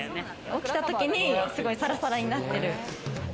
起きたときにすごいサラサラになってる。